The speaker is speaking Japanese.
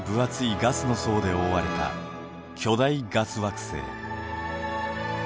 ガスの層で覆われた巨大ガス惑星。